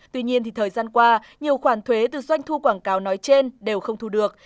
tuy nhiên thời gian qua nhiều khoản thuế từ doanh thu quảng cáo nói trên đều không thu được